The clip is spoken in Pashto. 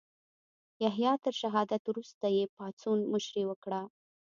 یحیی تر شهادت وروسته یې پاڅون مشري وکړه.